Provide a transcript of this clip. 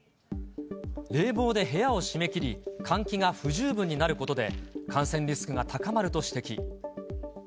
冷房で部屋を閉め切り、換気が不十分になることで、感染リスクが高まると指摘。